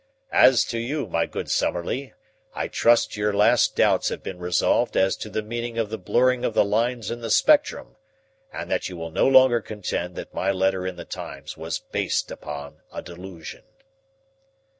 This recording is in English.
"As to you, my good Summerlee, I trust your last doubts have been resolved as to the meaning of the blurring of the lines in the spectrum and that you will no longer contend that my letter in the Times was based upon a delusion."